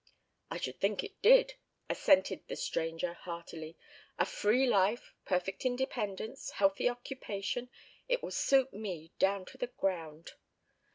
"I should think it did,", assented the stranger, heartily. "A free life, perfect independence, healthy occupation. It will suit me down to the ground."